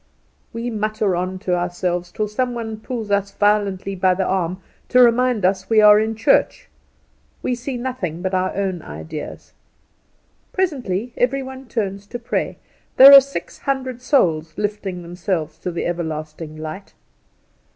We mutter on to ourselves, till some one pulls us violently by the arm to remind us we are in church. We see nothing but our own ideas. Presently every one turns to pray. There are six hundred souls lifting themselves to the Everlasting light.